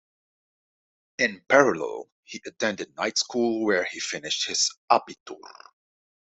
In parallel, he attended night school where he finished his Abitur.